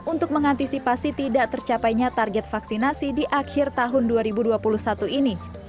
untuk mengantisipasi tidak tercapainya target vaksinasi di akhir tahun dua ribu dua puluh satu ini